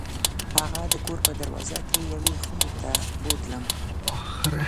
هغه د کور په دروازه کې یوې خونې ته بوتلم.